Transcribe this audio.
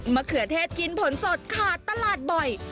เขือเทศกินผลสดขาดตลาดบ่อย